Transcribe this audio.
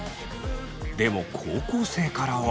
でも高校生からは。